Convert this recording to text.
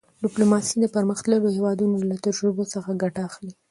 ډیپلوماسي د پرمختللو هېوادونو له تجربو څخه ګټه اخلي.